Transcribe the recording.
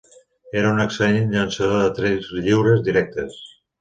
Era un excel·lent llançador de tirs lliures directes.